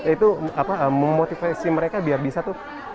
itu memotivasi mereka biar bisa tuh